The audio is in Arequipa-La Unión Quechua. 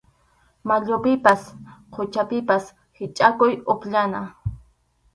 Mayupipas quchapipas hichʼakuq upyana.